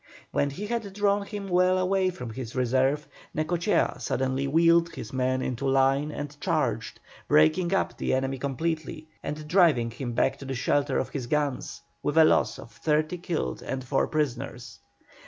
When he had drawn him well away from his reserve, Necochea suddenly wheeled his men into line and charged, breaking up the enemy completely, and driving him back to the shelter of his guns, with a loss of 30 killed and 4 prisoners.